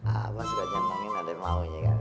abang suka nyambangin ada yang maunya kan